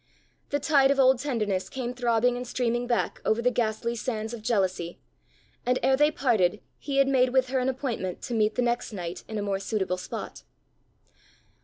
The tide of old tenderness came throbbing and streaming back over the ghastly sands of jealousy, and ere they parted he had made with her an appointment to meet the next night in a more suitable spot.